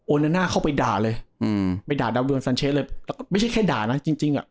โอนานะเขาไปด่าเลยอืมไปด่าเลยแล้วก็ไม่ใช่แค่ด่านะจริงจริงอ่ะ